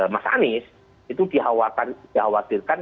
mas anies itu dikhawatirkan